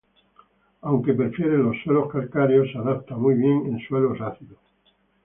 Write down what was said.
Aunque prefiere los suelos calcáreos, se adapta muy bien en suelos ácidos.